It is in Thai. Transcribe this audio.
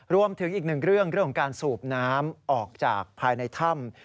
รวมถึงอีกหนึ่งเรื่องของการสูบน้ำออกจากภายในถ้ำ